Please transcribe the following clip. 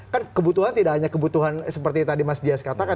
kan kebutuhan tidak hanya kebutuhan seperti tadi mas dias katakan